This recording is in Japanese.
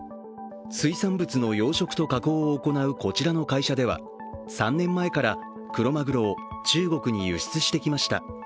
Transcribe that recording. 水産物の養殖と加工を行うこちらの会社では３年前からクロマグロを中国に輸出してきました。